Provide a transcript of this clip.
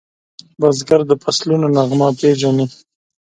بزګر د فصلونو نغمه پیژني